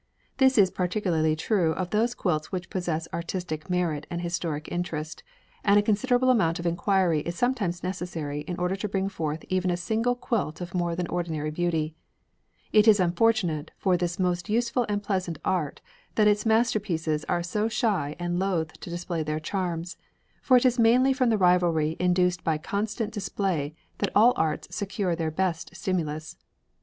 This is particularly true of those quilts which possess artistic merit and historic interest, and a considerable amount of inquiry is sometimes necessary in order to bring forth even a single quilt of more than ordinary beauty. It is unfortunate for this most useful and pleasant art that its masterpieces are so shy and loath to display their charms, for it is mainly from the rivalry induced by constant display that all arts secure their best stimulus.